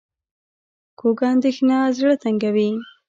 کوږه اندېښنه زړه تنګوي